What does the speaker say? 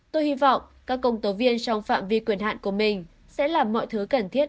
tôi hy vọng các công tố viên trong phạm vi quyền hạn của mình sẽ làm mọi thứ cần thiết